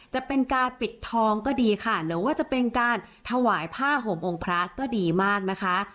จะเป็นการปิดทองก็ดีค่ะหรือว่าจะเป็นการถวายผ้าห่มองค์พระก็ดีมากนะคะ